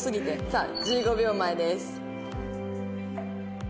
さあ１５秒前です。